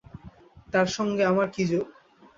তাঁর সঙ্গে আমার কী যোগ!